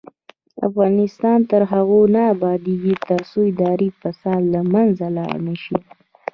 افغانستان تر هغو نه ابادیږي، ترڅو اداري فساد له منځه لاړ نشي.